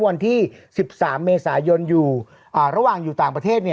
วันที่๑๓เมษายนอยู่ระหว่างอยู่ต่างประเทศ